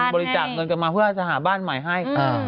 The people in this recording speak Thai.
บริจาคเงินกันมาเพื่อจะหาบ้านใหม่ให้